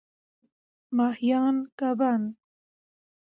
ماهیان √ کبان